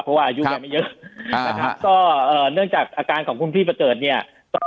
เพราะว่าอายุยังไม่เยอะนะครับก็เอ่อเนื่องจากอาการของคุณพี่ประเสริฐเนี่ย